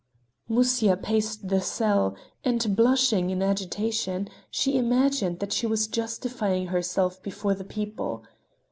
Musya paced the cell, and, blushing in agitation, she imagined that she was justifying herself before the people.